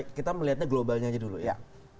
kita melihatnya globalnya aja dulu ya